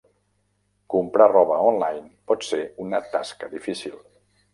Comprar roba online pot ser una tasca difícil.